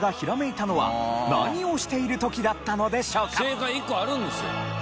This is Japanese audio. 正解１個あるんですよ。